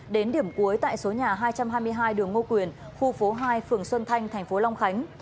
đến điểm cuối tại số nhà hai trăm hai mươi hai đường ngô quyền khu phố hai phường xuân thanh thành phố long khánh